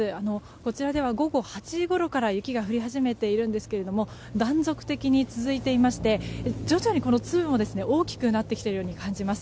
こちらでは午後８時ごろから雪が降り始めているんですが断続的に続いていまして徐々に粒も大きくなってきているように感じます。